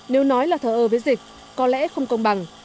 nếu nói là thờ ơ với dịch có lẽ không công bằng